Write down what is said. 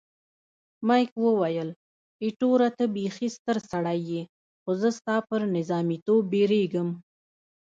مک وویل، ایټوره ته بیخي ستر سړی یې، خو زه ستا پر نظامیتوب بیریږم.